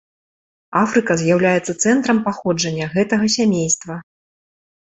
Афрыка з'яўляецца цэнтрам паходжання гэтага сямейства.